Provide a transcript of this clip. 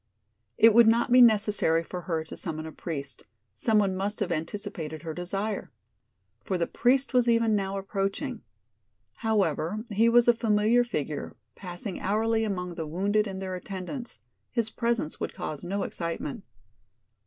It would not be necessary for her to summon a priest; some one must have anticipated her desire. For the priest was even now approaching. However, he was a familiar figure, passing hourly among the wounded and their attendants; his presence would cause no excitement.